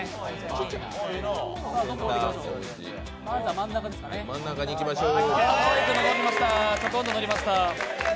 真ん中にいきましょう。